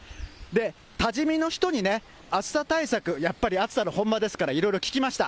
多治見の人に、暑さ対策、やっぱり暑さの本場ですからいろいろ聞きました。